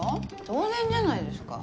当然じゃないですか。